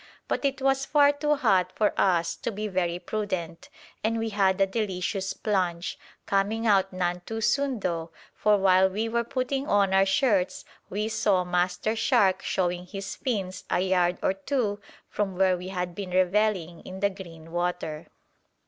But it was far too hot for us to be very prudent, and we had a delicious plunge, coming out none too soon though, for while we were putting on our shirts we saw Master Shark showing his fins a yard or two from where we had been revelling in the green water.